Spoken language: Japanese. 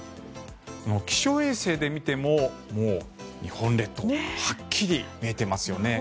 気象衛星で見てももう日本列島はっきり見えていますよね。